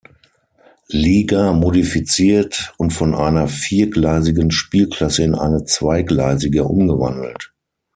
Liga modifiziert und von einer viergleisigen Spielklasse in eine zweigleisige umgewandelt.